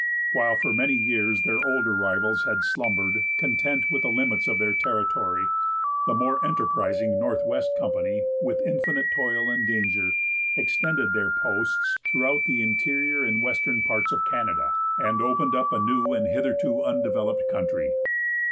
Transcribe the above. While for many years their older rivals had slumbered, content with the limits of their territory, the more enterprising Northwest Company, with infinite toil and danger, extended their posts throughout the interior and western parts of Canada, and opened up a new and hitherto undeveloped country.